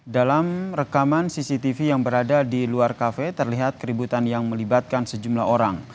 dalam rekaman cctv yang berada di luar kafe terlihat keributan yang melibatkan sejumlah orang